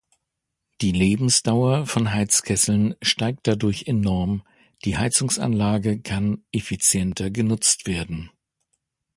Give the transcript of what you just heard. Die Lebensdauer von Heizkesseln steigt dadurch enorm; die Heizungsanlage kann effizienter genutzt werden.